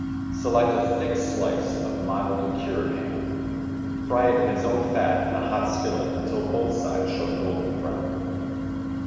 Select a thick slice of mild cured ham, fry it in its own fat in a hot skillet until both sides show a golden brown.